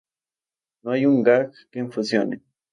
No hay un gag que funcione.